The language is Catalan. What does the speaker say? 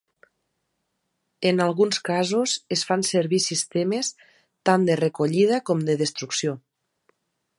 En alguns casos es fan servir sistemes tant de recollida com de destrucció.